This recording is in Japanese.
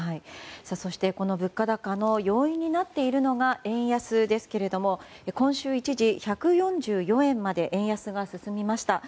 そして、この物価高の要因になっているのが円安ですが今週、一時、１４４円まで円安が進みました。